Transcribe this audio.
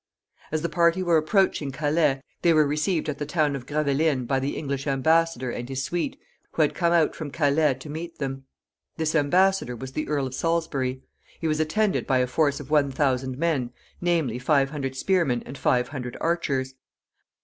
As the party were approaching Calais, they were received at the town of Gravelines by the English embassador and his suite, who had come out from Calais to meet them. This embassador was the Earl of Salisbury. He was attended by a force of one thousand men, namely, five hundred spearmen and five hundred archers.